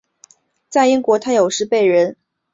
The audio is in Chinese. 在英国他有时被人。